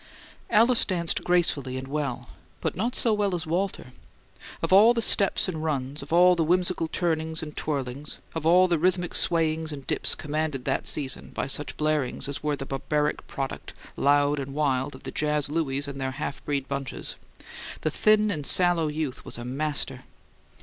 Alice danced gracefully and well, but not so well as Walter. Of all the steps and runs, of all the whimsical turns and twirlings, of all the rhythmic swayings and dips commanded that season by such blarings as were the barbaric product, loud and wild, of the Jazz Louies and their half breed bunches, the thin and sallow youth was a master.